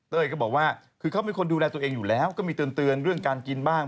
ก็บอกว่าคือเขาเป็นคนดูแลตัวเองอยู่แล้วก็มีเตือนเรื่องการกินบ้าง